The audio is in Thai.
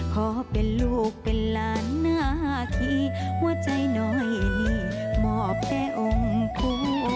ขอเป็นลูกเป็นลานนาทีจ่ายหน่อยนี่หมอบแต่องค์พู